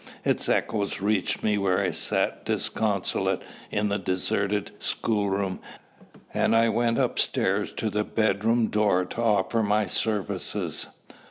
Its echoes reached me where I sat disconsolate in the deserted schoolroom, and I went upstairs to the bedroom door to offer my services.